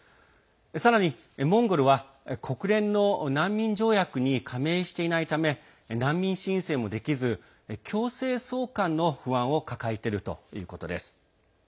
さらに、モンゴルは国連の難民条約に加盟していないため難民申請もできず、強制送還の不安を抱えているということです。